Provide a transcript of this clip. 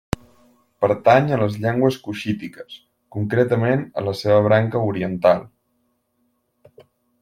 Pertany a les llengües cuixítiques, concretament a la seva branca oriental.